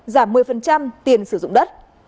giảm một mươi tiền sử dụng đất